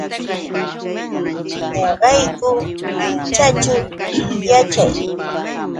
Ñaqayku Linchaćhu yaćhaa.